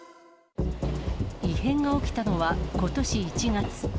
異変が起きたのは、ことし１月。